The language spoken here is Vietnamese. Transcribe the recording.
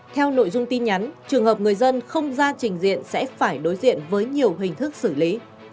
theo nội dung tin nhắn trường hợp người dân không ra trình diện sẽ phải đối diện với nhiều hình thức xử lý